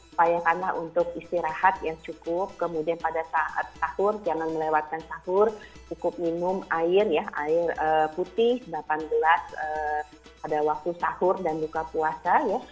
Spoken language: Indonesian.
upayakanlah untuk istirahat yang cukup kemudian pada saat sahur jangan melewatkan sahur cukup minum air ya air putih delapan belas pada waktu sahur dan buka puasa